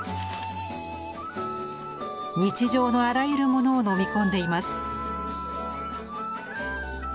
日常のあらゆるものを飲み込んでいます。